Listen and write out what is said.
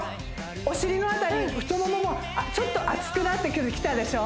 お尻の辺り太モモもちょっと熱くなってきたでしょ？